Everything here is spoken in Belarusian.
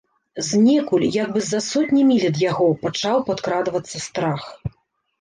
Знекуль, як бы з-за сотні міль ад яго, пачаў падкрадвацца страх.